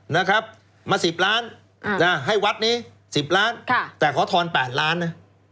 นะครับมาสิบล้านอ่าให้วัดนี้สิบล้านค่ะแต่ขอทอนแปดล้านน่ะ